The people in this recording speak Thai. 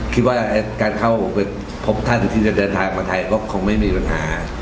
คิดว่าการเข้าไปพบท่านที่จะเดินทางมาไทยก็คงไม่มีปัญหา